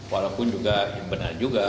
walaupun juga benar juga